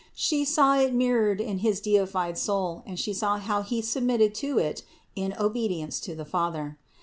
She saw it mirrored in his deified soul and She saw how He submitted to it in obedience to the Father.